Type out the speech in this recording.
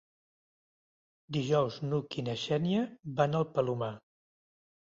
Dijous n'Hug i na Xènia van al Palomar.